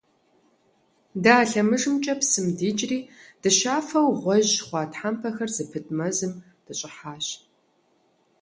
Дэ а лъэмыжымкӏэ псым дикӏри дыщафэу гъуэжь хъуа тхьэмпэхэр зыпыт мэзым дыщӏыхьащ.